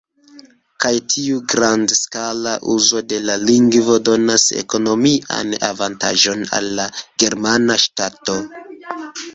Kaj tiu grandskala uzo de la lingvo donas ekonomian avantaĝon al la germana ŝtato.